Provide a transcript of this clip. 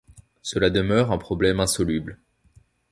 Cela demeure un problème insoluble.